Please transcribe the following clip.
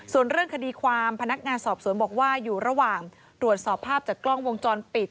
ส่วนเรื่องคดีความพนักงานสอบสวนบอกว่าอยู่ระหว่างตรวจสอบภาพจากกล้องวงจรปิด